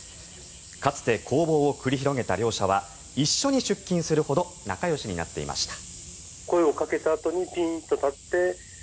かつて攻防を繰り広げた両者は一緒に出勤するほど仲よしになっていました。